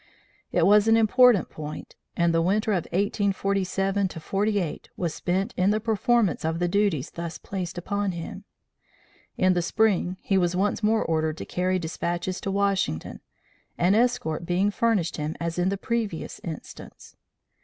It was an important point, and the winter of 1847 48 was spent in the performance of the duties thus placed upon him. In the spring, he was once more ordered to carry despatches to Washington, an escort being furnished him as in the previous instance.